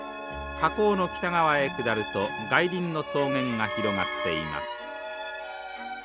火口の北側へ下ると外輪の草原が広がっています。